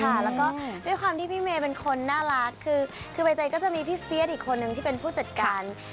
แล้วก็ด้วยความที่พี่เมย์เป็นคนน่ารักคือใบเตยก็จะมีพี่เซียสอีกคนนึงที่เป็นผู้จัดการ